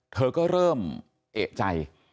เธอก็เริ่มเอกใจ